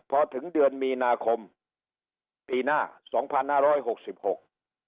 พอถึงเดือนมีนาคมปีหน้าสองพันห้าร้อยหกสิบหก